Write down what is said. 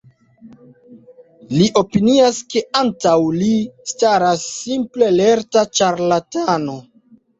Li opinias, ke antaŭ li staras simple lerta ĉarlatano.